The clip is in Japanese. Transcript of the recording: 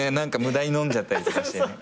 無駄に飲んじゃったりとかしてね。